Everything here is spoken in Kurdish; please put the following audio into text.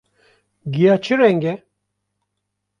Giya çi reng e?